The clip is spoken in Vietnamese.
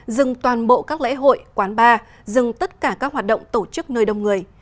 dừng toàn bộ các lễ hội quán bar dừng tất cả các hoạt động tổ chức nơi đông người